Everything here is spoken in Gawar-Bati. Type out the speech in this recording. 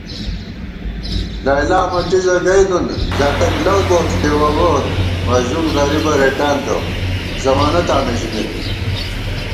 لیلی مَٹِزہ گَئ نُن، زاتَک لَو بوت ڈېوَوون * مجنُون غریبہ رېٹان گہ، ضمانَتاں نہ ژِمېت